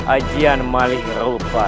ajian malih ropa